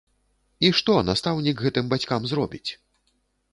І што настаўнік гэтым бацькам зробіць?